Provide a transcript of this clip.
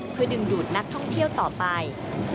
เพื่อดึงดูดนักท่องเที่ยวต่อไป